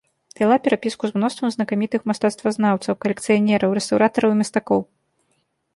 Вяла перапіску з мноствам знакамітых мастацтвазнаўцаў, калекцыянераў, рэстаўратараў і мастакоў.